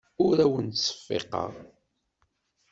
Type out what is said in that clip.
Ur awen-ttseffiqeɣ.